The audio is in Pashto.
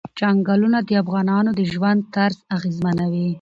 چنګلونه د افغانانو د ژوند طرز اغېزمنوي.